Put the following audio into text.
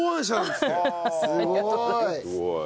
すごい。